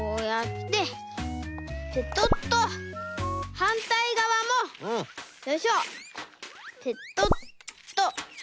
はんたいがわもよいしょペトッと。